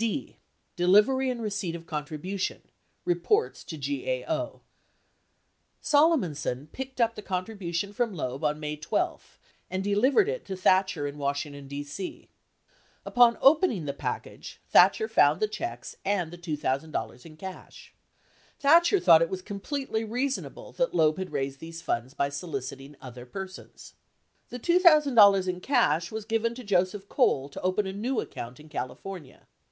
D. Delivery and Receipt or Contribution — Reports to GAO Solomonson picked up the contribution from Loeb on May 12 and delivered it to Thatcher in Washington, D.C. Upon opening the pack age, Thatcher found the checks and the $2,000 in cash. Thatcher thought it was completely reasonable that Loeb had raised these funds by soliciting other persons. The $2,000 in cash was given to Joseph Cole to open a new account in California.